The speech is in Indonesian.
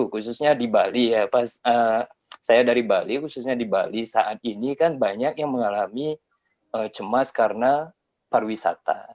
khususnya di bali ya pak saya dari bali khususnya di bali saat ini kan banyak yang mengalami cemas karena pariwisata